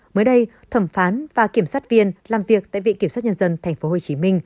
mới đây thẩm phán và kiểm soát viên làm việc tại vị kiểm soát nhân dân tp hcm